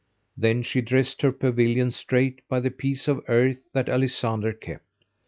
Then she dressed her pavilion straight by the piece of the earth that Alisander kept.